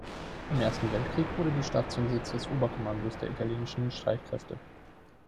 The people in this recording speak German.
Im Ersten Weltkrieg wurde die Stadt zum Sitz des Oberkommandos der italienischen Streitkräfte.